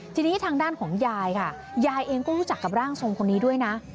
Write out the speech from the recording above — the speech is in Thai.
ทีนี้ทางด้านของยายค่ะยายเองก็รู้จักกับร่างทรงคนนี้ด้วยนะ